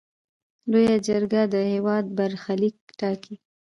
لویه جرګه د هیواد برخلیک ټاکي.